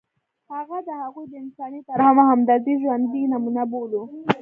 هغه د هغوی د انساني ترحم او همدردۍ ژوندۍ نمونه بولو.